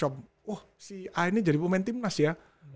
nah dijadinya campus nya